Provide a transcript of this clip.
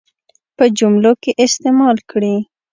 په جملو کې استعمال کړي.